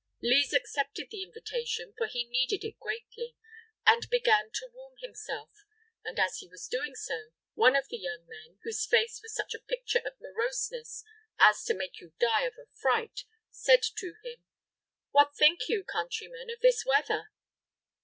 Lise accepted the invitation, for he needed it greatly, and began to warm himself, and as he was doing so, one of the young men, whose face was such a picture of moroseness as to make you die of affright, said to him: "What think you, countryman, of this weather?"